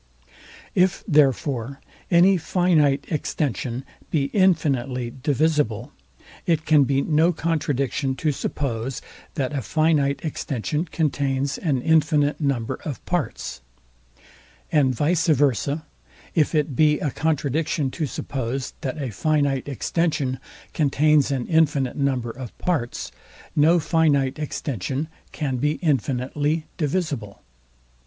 If therefore any finite extension be infinitely divisible, it can be no contradiction to suppose, that a finite extension contains an infinite number of parts: And vice versa, if it be a contradiction to suppose, that a finite extension contains an infinite number of parts, no finite extension can be infinitely divisible.